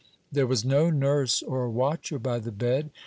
There was no nurse or watcher by the bed.